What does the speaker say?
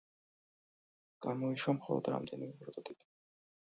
გამოიშვა მხოლოდ რამდენიმე პროტოტიპი.